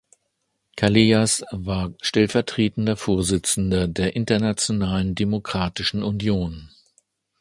Callejas war stellvertretender Vorsitzender der Internationalen Demokratischen Union.